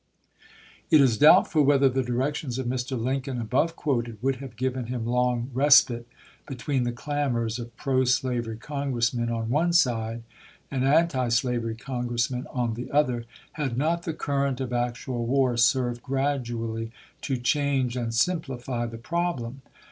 It is doubtful whether the directions of Mi\ Lincoln, above quoted, would have given him long respite between the clamors of pro slavery Congressmen on one side and antislavery Congressmen on the other, had not the cuiTent of actual war served gradually to change and simplify the problem.